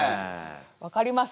分かります？